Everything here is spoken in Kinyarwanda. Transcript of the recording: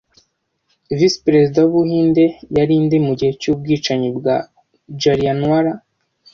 Visiperezida w'Ubuhinde yari nde mu gihe cy'ubwicanyi bwa Jallianwala